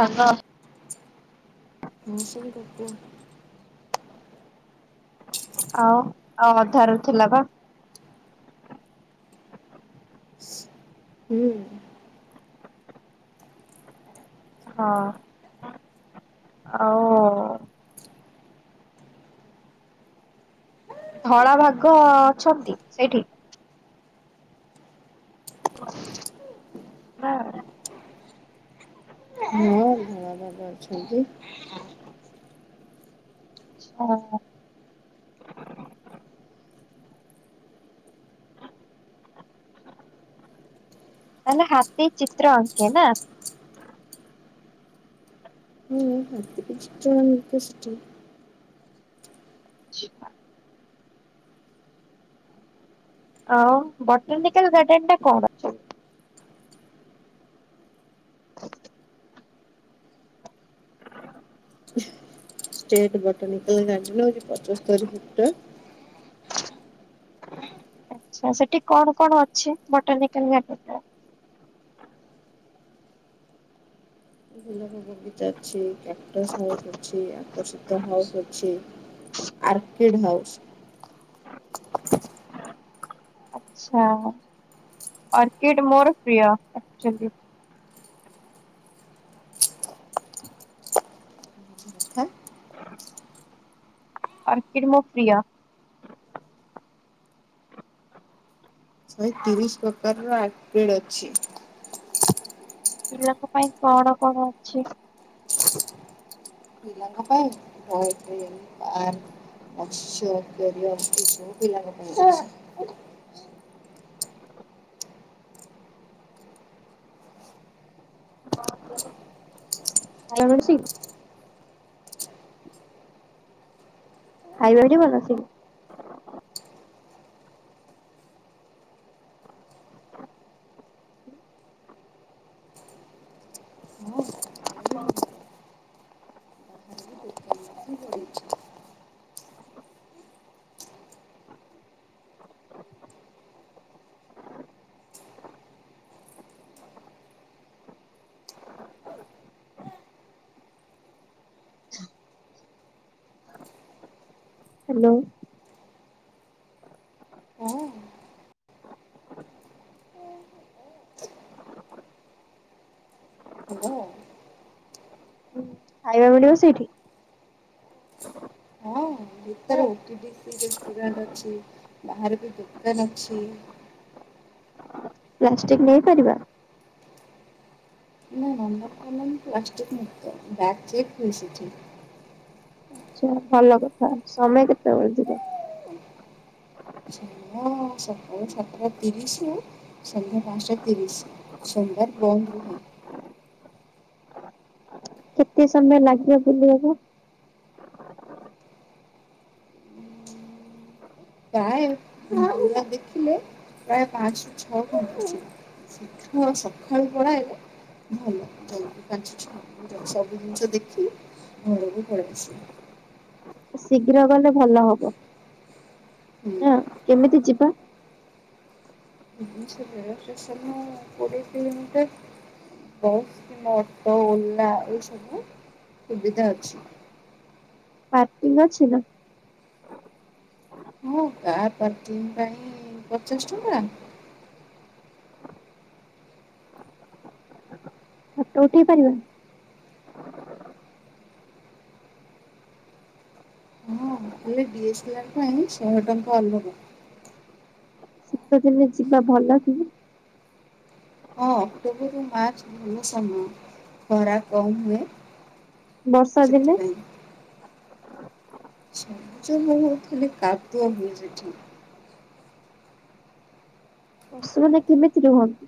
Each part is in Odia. ସାଙ୍ଗ ହଁ ସେ ବି [unintelligible] ଆଉ ଆଉ ଅଧାରୁ ଥିଲା ପା [inaudible] ହୁଁ। [inaudible] ହଁ ଆଉ। ଧଳା ଭାଘ ଅଛନ୍ତି ସେଇଠି? ହଁ। [unintelligible] ଅଛନ୍ତି। ହଁ। [inaudible] ତାହାଲେ ହାତୀ ଚିତ୍ର ଆଙ୍କେ ନା? [unintelligible] ନିକଷ୍ଟି। ଚିପା। ଆଉ ବଟାନିକାଲ୍ ଗାର୍ଡେନ ଟା କଣ ଆକଚୁଆଲି? [inaudible] ଷ୍ଟେଟ ବଟନିକାଲ ଗାର୍ଡେନ ହୋଉଛି ପଚସ୍ତରି ଫୁଟ। ଆଛା ସେଠି କଣ କଣ ଅଛି ବଟନିକାଲ ଗାର୍ଡେନ ରେ? [inaudible] ବଗିଚା ଅଛି କ୍ୟାକ୍ଟସ୍ ହାଉସ୍ ଅଛି ଆକର୍ଷିତ ହାଉସ୍ ଅଛି। ଆର୍କିଡ ହାଉସ୍ ଆଛା ଆର୍କିଟ ମୋର ପ୍ରିୟ ଆକ୍ଚୁଲି। ଆର୍କିଟ ମୋର ପ୍ରିୟ। [inaudible] ଆଉ ତିରିଶ ପ୍ରକାରର ଅର୍କେଡ଼୍ ଅଛି। ପିଲାଙ୍କ ପାଇଁ କଣ କଣ ଅଛି? ପିଲାଙ୍କ ପାଇଁ ବହୁତୀ [unintelligible] ଅଛି [unintelligible] ଆଉ ପିଲାଙ୍କ ପାଇଁ ଅଛି ଆରମ ଲାଗୁଚି? ଖାଇବାବି ଭଲ ଥିବ। ହ ହ୍ୟାଲୋ। ହ ହାଲୋ। ଖାଇବା ମିଳିବ ସେଇଠି? ହଁ ଭିତରେ ଓଟିପିସି ରେଷ୍ଟୁରାଣ୍ଟ ଅଛି। ବାହାରେ ବି ଦୋକାନ ଅଛି। ପ୍ଲାଷ୍ଟିକ ନେଇପାରିବା? ନମ୍ବର ତ ନାହିଁ। ପ୍ଲାଷ୍ଟିକ [unintelligible] ମିଶିଛି। ଆଛା ଭଲ କଥା ସମୟ କେତେବେଳେ ଯିବ? ସକାଳ ସାତଟା ତିରିଶରୁ ସନ୍ଧ୍ୟା ପାଞ୍ଚଟା ତିରିଶ। ସୋମବାର ବନ୍ଦ ରୁହେ। ହ କେତେ ସମୟ ଲାଗିବ ବୁଲିବାକୁ। [inaudible] ହାଏ ଦେଖିଲେ? ପ୍ରାୟ ପାଞ୍ଚରୁ ଛ ଘ ଶ୍ରୀଘ ସକାଳୁ ପଳାଏତ। ଭଲ ଜଲଦି ପାଞ୍ଚ ଛ ସବୁ ଜିନିଷ ଦେଖି ଘରକୁ ପଳେଇ ଆସେ। [inaudible] ଶୀଘ୍ର ଗଲେ ଭଲ ହବ। ହଁ କେମିତି ଯିବା? ସେ ରେଳ ଷ୍ଟେସନ କୋଡିଏ କିଲୋ ମିଟର। ବସ୍ କିମ୍ବା ଅଟୋ ଓଲା ଏସବୁ ସୁବିଧା ଅଛି। ର୍ପାକିଂ ଅଛି ନା? କାର୍ ପାର୍କିଂ ପାଇଁ ପଚାଶ ଟଙ୍କା। [inaudible] ଫୋଟ ଉଠେଇ ପାରିବା? ହେଲେ ଡିଏସ୍ଲାର ପାଇଁ ଶହେ ଟଙ୍କା ଅଲଗା। ଶୀତଦିନେ ଯିବା ଭଲ କି? ହଁ ଅକ୍ଟୋବରରୁୁ ମାର୍ଚ୍ଚ ଭଲ ସମୟ ଖରା କମ୍ ହୁଏ। ବର୍ଷା ଦିନେ [inaudible] ଖାଲି କାଦୁଅ ହୁଏ ସେଠି। ପଶୁମାନେ କେମିତି ରୁହନ୍ତି?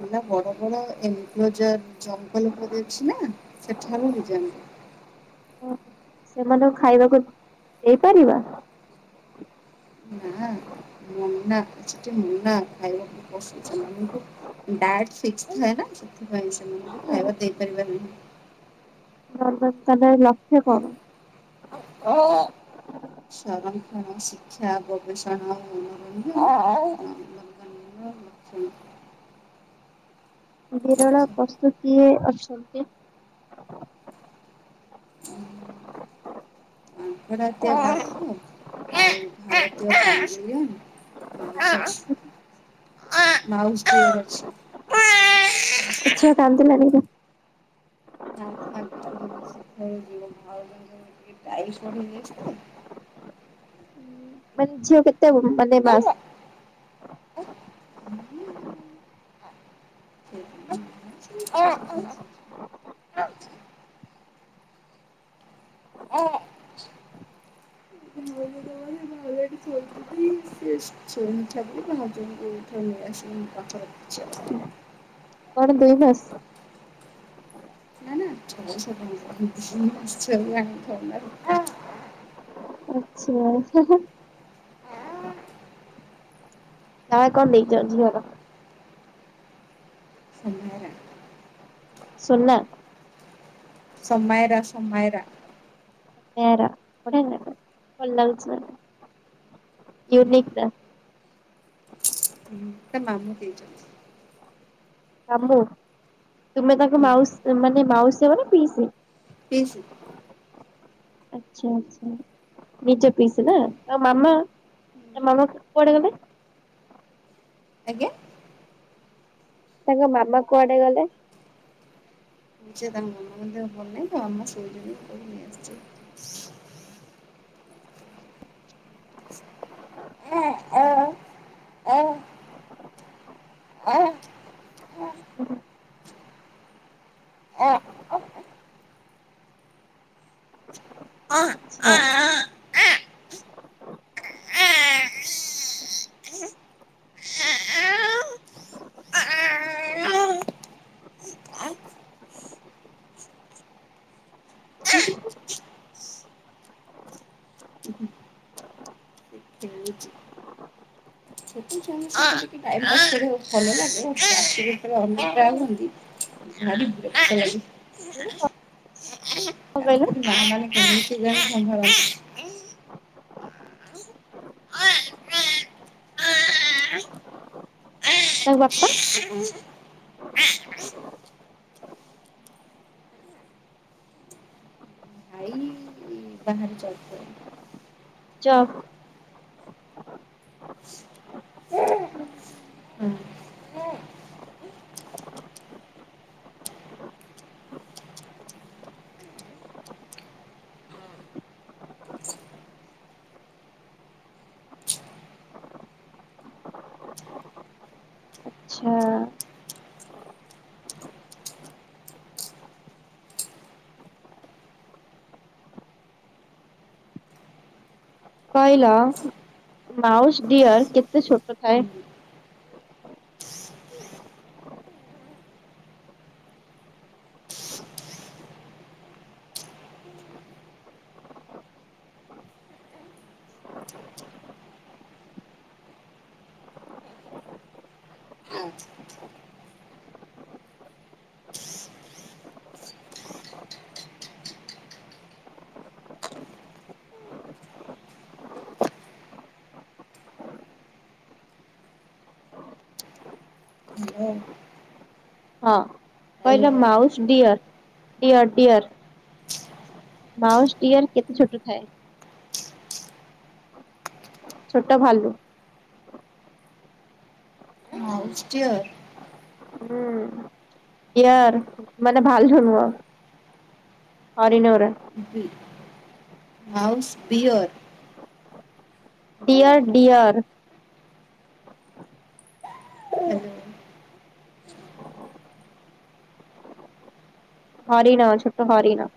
ହେଲା ବଡ ବଡ ଏନକ୍ଲୋଜର ଜଙ୍ଗଲ ଉପରେ ଅଛି ନା ସେଠାରେ ରହି ଯାଆନ୍ତି। [inaudible] ସେମାନଙ୍କୁ ଖାଇବାକୁ ଦେଇପାରିବା। ନାଁ [inaudible] ଡାଏଟ ଫିକ୍ସ ଥାଏ ନା। ସେଥିପାଇଁ ସେମାନଙ୍କୁ ଖାଇବା ଦେଇପାରିବା ନାହିଁ। [inaudible] ତା ହେଲେ ଲକ୍ଷ୍ୟ କଣ? ହଁ। ସଂରକ୍ଷଣ ଶିକ୍ଷା ଗବେଷଣା ମନୋ ରଞ୍ଜନ [inaudible] ବିରଳ ପ୍ରସ୍ତୁତିଏ [inaudible] [inaudible] ବାଘ ଆଉ ଭାରତୀୟ। [inaudible] ମାଉସୀ ଛି ମାଉସୀ ଅଛି। ଏ ଛୁଆ କାନ୍ଦିଲାଣି। ଚାଙ୍କୁ ଚାଙ୍କୁ କାନ୍ଦୁନୀ ସେ ଖେଳୁଛି ମୋ ଭାଉଜଙ୍କ ଟିକେ ଟାଇମ ବଢ଼ି ଯାଇଛି ତ। [inaudible] ମାନେ ଝିଅ କେତେ ବଡ ମାନେ ମାସ ହୁଁ [unintelligible] ମୁଁ ଶୋଇଥିଲି ସେ ଶୋଇ ନଥିଲା ବୋଲି ହୋଯବେଣ୍ଟ ଠୁ ନେଇ ଆସି ମୁଁ ପାଖରେ ରଖିଛି ଆଉ। ହ କଣ ଦେଇ ବସ ନା ନା ଛଅ ସାତ ମାସର ଦୁଇ ମାସ ଛୁଆ କୁ ଆଣି ଥୋଡୀ ନା ରଖି ପାରିବି। ଆଛା ହା ହା। ତା କଣ ନିଜ ଝିଅର? ସୋନା। ସମଇରା ସମଇରା। ସମଇରା ବଢିଆ ନାଟା ଭଲ ଲାଗୁଛି ନାଟା। ୟୁନିକ୍ ଟା। ତା ମାମୁଁ ଦେଇଛନ୍ତି। ମାମୁଁ ତୁମେ ତାଙ୍କ ମାଉସୀ ମାନେ ମାଉସୀ ହେବ ନା ପିଇସି? ପିଇସି। ଆଚ୍ଛା, ଆଚ୍ଛା ନିଜ ପିଇସି ନା। ଆଉ ମାମା ତା ମାମା କୁଆଡେ ଗଲେ? ଆଜ୍ଞା। ତାଙ୍କ ମାମା କୁଆଡେ ଗଲେ? ଯେ ତାଙ୍କ ମାମାଙ୍କ ଦେହ ଭଲ ନାହିଁ ତ। ମୁଁ ସେଇ ଯୋଗରୁ ତାକୁ ନେଇଆସିଚି। ଓହୋ! ଆଚ୍ଛା। କଣ [unintelligible] ଭଲ ଲାଗେ [unintelligible] ଭାରି ବିରକ୍ତ ଲାଗୁଚି। କହିଲ ତାଙ୍କରି ମା ମାନେ କେମିତି କିଆଣି ସମ୍ଭାଳ ତାଙ୍କ ବାପା? ଚ ଆଚ୍ଛା କହିଲ ମାଉସ୍ ଡିଅର୍ କେତେ ଛୋଟ ଥାଏ? ହାଲୋ। ହଁ କହିଲ mouse deer deer deer mouse deer କେତେ ଛୋଟ ଥାଏ? ଛୋଟ ଭାଲୁ। ମାଉସ ଟିୟର୍ ଡିଅର୍ ମାନେ ଭାଲୁ ନୁହଁ। ହରିଣ ଗୁରା। ବି-ମାଉସ୍ ବିିୟର୍ ଡିଅର୍ ଡିଅର୍। ହରିଣ ଛୋଟ ହରିଣ।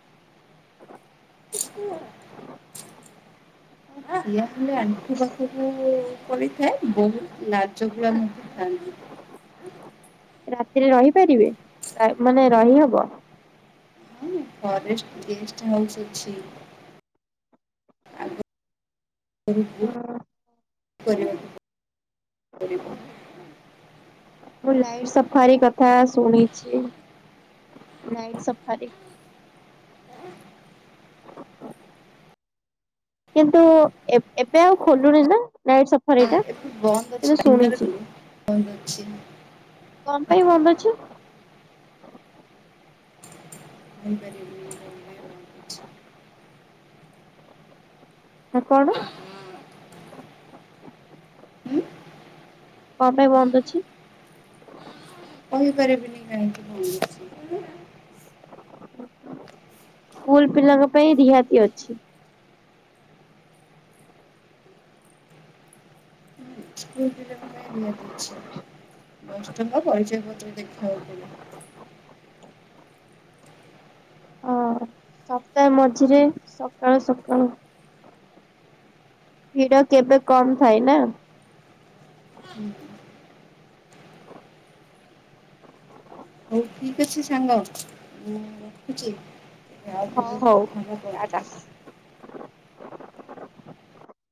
ଠିଆ ହେଲେ ଆଣ୍ଠୁ ପାଖକୁ ପଳେଇଥାଏ ବହୁତ ଲାଜ ବି ଆମକୁ ଥାଆନ୍ତି। ରାତିରେ ରହିପାରିବେ ର-ମାନେ ରହିହବ? ଫରେଷ୍ଟ ଗେଷ୍ଟ ହାଉସ୍ ଅଛି। ହଁ, [unintelligible] ମୁଁ ଲାଇଟ ସଫାରୀ କଥା ଶୁଣିଛି। ନାଇଟ୍ ସଫାରି [inaudible] କିନ୍ତୁ ଏବ ଏବେ ଆଉ ଖୋଲୁନି ନା ନାଇଟ୍ ସଫାରି ଟା? ଏବେ ଶୁଣିଛି। କଣ ପାଇଁ ବନ୍ଦ ଅଛି? ହ [inaudible] ହେଇପାରେ ଆ, କଣ? କଣ ପାଇଁ ବନ୍ଦ ଅଛି? କହିପାରିବିନି କାହିଁକି ବନ୍ଦ ଅଛି। ସ୍କୁଲ୍ ପିଲାଙ୍କ ପାଇଁ ରିହାତି ଅଛି। ସ୍କୁଲ୍ ପିଲାଙ୍କ ପାଇଁ ରିହାତି ଅଛି। ଦଶ ଟଙ୍କା ଆଉ ପରିଚୟ ପତ୍ର ଦେଖିବାକୁ କହିଲେ। ଅ, ସପ୍ତାହ ମଝିରେ ସକାଳୁ ସକାଳୁ ଭିଡ କେବେ କମ ଥାଏ ନା। ଠିକ ଅଛି ସାଙ୍ଗ ମୁଁ ରଖୁଚି। ଆଉ ହଉ କେବେ ହଉ କଥା ହବା କୁହନ୍ତୁ? ଓ [unintelligible]